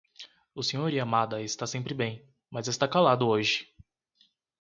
O Sr. Yamada está sempre bem, mas está calado hoje.